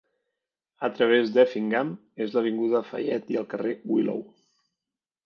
A través d'Effingham és l'avinguda Fayette i el carrer Willow.